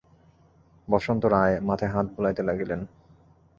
বসন্ত রায় মাথায় হাত বুলাইতে লাগিলেন।